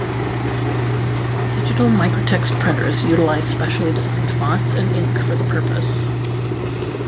Digital microtext printers utilize specially designed fonts and ink for the purpose.